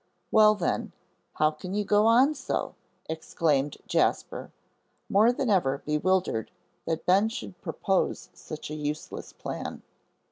"Well, then, how can you go on so?" exclaimed Jasper, more than ever bewildered that Ben should propose such a useless plan.